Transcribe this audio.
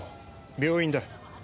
病院だ。